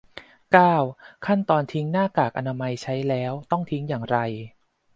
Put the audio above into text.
เก้า ขั้นตอนทิ้งหน้ากากอนามัย ใช้แล้วต้องทิ้งอย่างไร